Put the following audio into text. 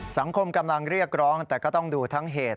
สังคมกำลังเรียกร้องแต่ก็ต้องดูทั้งเหตุ